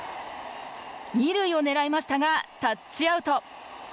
二塁をねらいましたがタッチアウト。